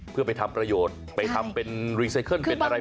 เพื่อไปทำประโยชน์ไปทำเป็นรีไซเคิลเป็นอะไร